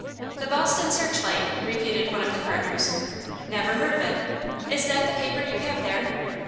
"The 'Boston Searchlight,'" repeated one of the partners. "Never heard of it. Is that the paper you have there?"